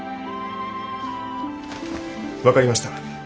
分かりました。